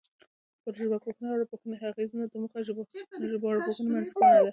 پر ژبپوهنه د ارواپوهنې اغېز نه موخه د ژبارواپوهنې منځپانګه ده